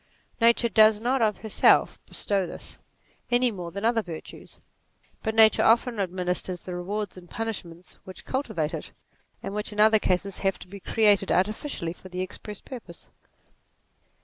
Nature does not of herself bestow this, any more than other virtues ; but nature often administers the rewards and punishments which cul tivate it, and which in other cases have to be created artificially for the express purpose.